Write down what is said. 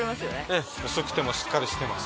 えぇ薄くてもしっかりしてます。